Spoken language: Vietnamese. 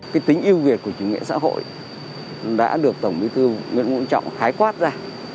cái tính yêu việt của chủ nghĩa xã hội đã được tổng bí thư nguyễn vũ trọng khái quát ra